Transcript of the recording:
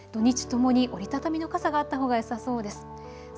土日ともに折り畳みの傘があったほうがよさそうです。